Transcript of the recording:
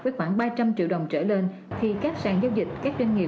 với khoảng ba trăm linh triệu đồng trở lên thì các sản giao dịch các doanh nghiệp